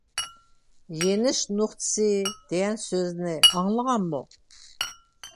"يېنىش نۇقتىسى" دېگەن سۆزنى ئاڭلىغانمۇ؟